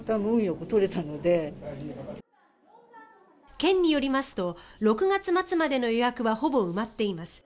県によりますと６月末までの予約はほぼ埋まっています。